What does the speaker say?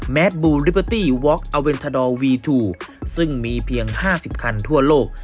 แมดบูลลิเบอร์ตี้วอคอเวนทาดอลวีทูซึ่งมีเพียงห้าสิบคันทั่วโลก